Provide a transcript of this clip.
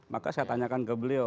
maka saya tanyakan ke beliau